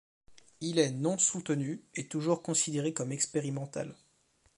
Il est non soutenu et toujours considéré comme expérimental.